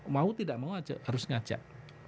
mau tidak mau harus ngajak